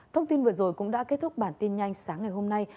thông tin vừa rồi cũng đã kết thúc bản tin nhanh sáng ngày hôm nay